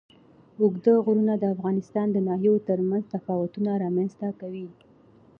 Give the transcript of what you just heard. اوږده غرونه د افغانستان د ناحیو ترمنځ تفاوتونه رامنځ ته کوي.